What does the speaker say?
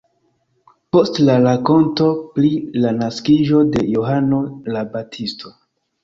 Post la rakonto pri la naskiĝo de Johano la Baptisto.